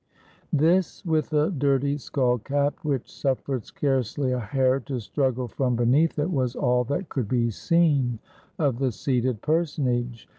This, with a dirty skull cap, which suffered scarcely a hair to strug gle from .beneath it, was all that could be seen of the seated personage.